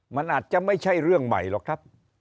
มันอาจจะไม่ใช่เรื่องใหม่หรอกครับ